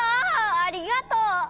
ありがとう！